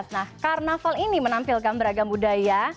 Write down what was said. nah karnaval ini menampilkan beragam budaya